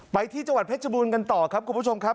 ไปที่จังหวัดเพชรบูรณ์กันต่อครับคุณผู้ชมครับ